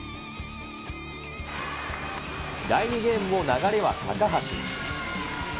第２ゲームも流れは高橋。